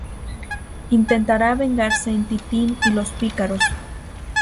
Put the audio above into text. Intentará vengarse en "Tintín y los 'Pícaros'".